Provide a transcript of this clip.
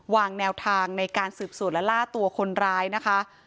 วางแนวทางในการสืบสวนและล่าตัวคนร้ายนะคะ